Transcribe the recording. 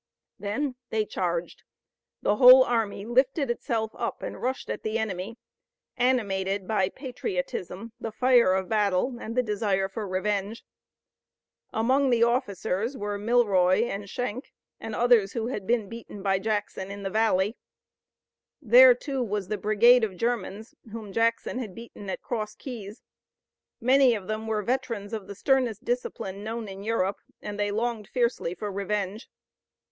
Then they charged. The whole army lifted itself up and rushed at the enemy, animated by patriotism, the fire of battle and the desire for revenge. Among the officers were Milroy and Schenck and others who had been beaten by Jackson in the valley. There, too, was the brigade of Germans whom Jackson had beaten at Cross Keyes. Many of them were veterans of the sternest discipline known in Europe and they longed fiercely for revenge.